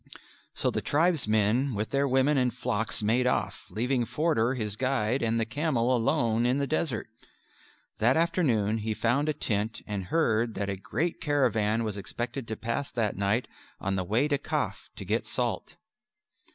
So the tribesmen with their women and flocks made off, leaving Forder, his guide, and the camel alone in the desert. That afternoon he found a tent and heard that a great caravan was expected to pass that night on the way to Kaf to get salt.